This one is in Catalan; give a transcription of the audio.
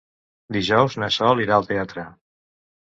Dijous na Sol irà al teatre.